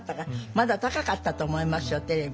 まだ高かったと思いますよテレビ。